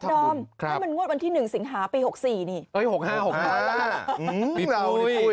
นั่นมันงวดวันที่หนึ่งสิงหาปีหกสี่นี่เอ้ยหกห้าหกห้า